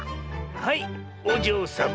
はいおじょうさま。